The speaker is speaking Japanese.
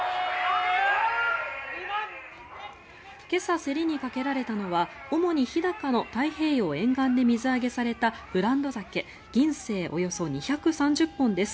今朝、競りにかけられたのは主に日高の太平洋沿岸で水揚げされたブランドザケ、銀聖およそ２３０本です。